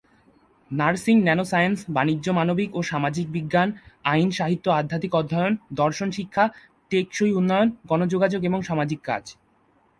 Nursing, nanoscience, বাণিজ্য, মানবিক ও সামাজিক বিজ্ঞান, আইন, সাহিত্য, আধ্যাত্মিক অধ্যয়ন, দর্শন, শিক্ষা, টেকসই উন্নয়ন, গণযোগাযোগ এবং সামাজিক কাজ।